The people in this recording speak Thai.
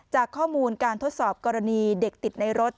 จากข้อมูลการทดสอบกรณีเด็กติดในรถ